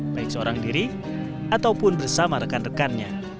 baik seorang diri ataupun bersama rekan rekannya